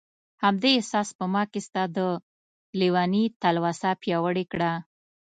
همدې احساس په ما کې ستا د لیدنې تلوسه پیاوړې کړه.